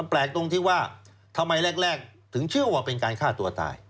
แปลกตรงที่ว่าทำไมแรกถึงเชื่อว่าเป็นการฆ่าตัวตาย